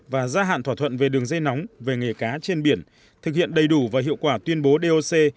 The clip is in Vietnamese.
và gia hạn thỏa thuận về đường dây nóng về nghề cá trên biển thực hiện đầy đủ và hiệu quả tuyên bố doc